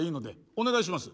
お願いします。